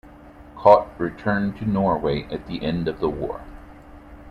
Koht returned to Norway at the end of war.